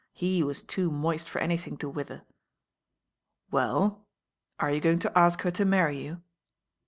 He was too moist for anything to wither.'* "Well, are you going to ask her to marry you?"